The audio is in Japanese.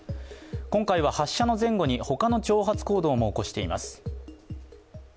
今回は発射の前後に、ほかの挑発行動も起こしています。